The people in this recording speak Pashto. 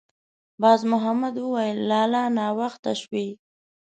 باز محمد ویې ویل: «لالا! ناوخته شوې.»